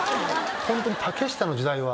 ホントに竹下の時代は。